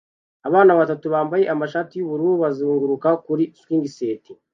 Abana batatu bambaye amashati yubururu bazunguruka kuri swing set